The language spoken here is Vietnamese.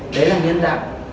đấy là nhân đạo